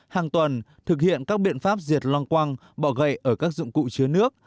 hàng tuần thực hiện các biện pháp diệt lăng quăng bọ gậy ở các dụng cụ chứa nước